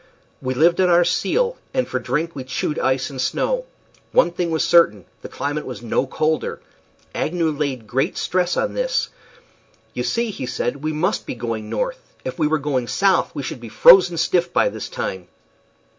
We lived on our seal, and for drink we chewed ice and snow. One thing was certain the climate was no colder. Agnew laid great stress on this. "You see," said he, "we must be going north. If we were going south we should be frozen stiff by this time."